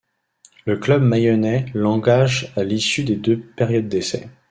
Le club mayennais l'engage à l'issue de deux périodes d'essai.